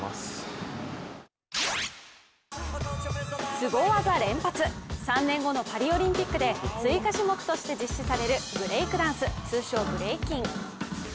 すご技連発３年後のパリオリンピックで追加種目として実施されるブレイクダンス、通称・ブレイキン。